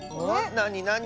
なになに？